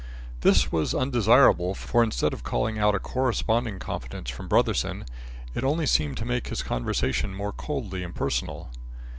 This was undesirable, for instead of calling out a corresponding confidence from Brotherson, it only seemed to make his conversation more coldly impersonal.